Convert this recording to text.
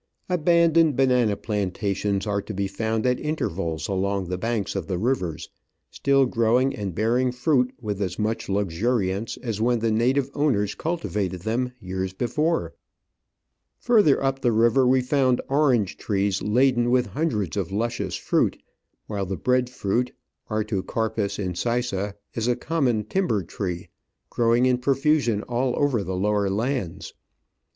Abandoned banana plantations are to be found at intervals along the banks of the rivers, still growing and bearing fruit with as much luxuriance as when the native owners cultivated them years before. Further up the river we found orange trees laden with hundreds of luscious fruit, while the bread fruit ( Artocarpus incisa) is a common timber tree, growing in profusion all over the lower lands.